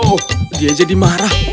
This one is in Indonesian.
oh dia jadi marah